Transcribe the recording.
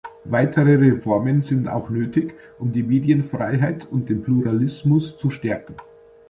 Weitere Reformen sind auch nötig, um die Medienfreiheit und den Pluralismus zu stärken.